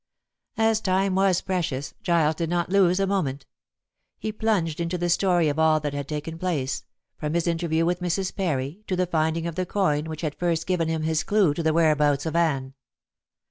As time was precious Giles did not lose a moment. He plunged into the story of all that had taken place, from his interview with Mrs. Parry to the finding of the coin which had first given him his clue to the whereabouts of Anne.